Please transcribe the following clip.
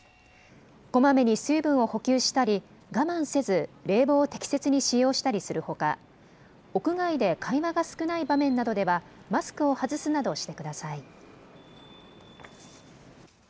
こまめに水分を補給したり我慢せず冷房を適切に使用したりするほか屋外で会話が少ない場面などではマスクを外すなどしてください。